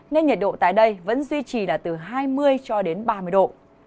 nên nhiệt độ tại đây vẫn duy trì là từ hai mươi cho đến ba mươi độ